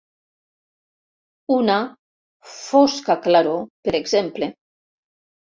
Una "fosca claror", per exemple.